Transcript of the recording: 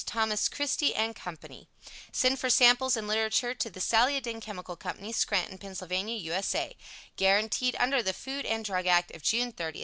Thomas Christy & Company. Send for samples and literature to the Saliodin Chemical Co., Scranton, Pa., U. S. A. Guaranteed under the Food and Drug Act of June 30, 1906.